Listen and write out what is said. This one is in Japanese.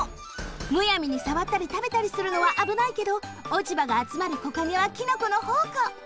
むやみにさわったりたべたりするのはあぶないけどおちばがあつまるこかげはきのこのほうこ。